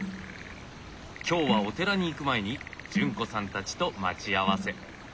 今日はお寺に行く前に潤子さんたちと待ち合わせ。